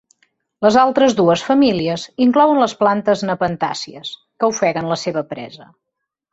Les altres dues famílies inclouen les plantes nepentàcies, que ofeguen la seva presa.